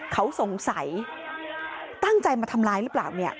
เขาสงสัยตั้งใจมาทำร้ายหรือเปล่าเนี่ย